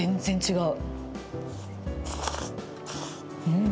うん。